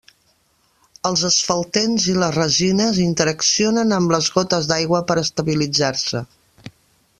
Els asfaltens i les resines interaccionen amb les gotes d'aigua per estabilitzar-se.